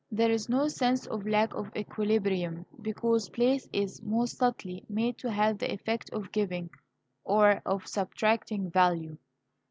There is no sense of lack of equilibrium, because place is, most subtly, made to have the effect of giving or of subtracting value.